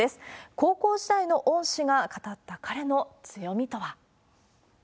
高校時代の恩師が語った、彼の強みとは。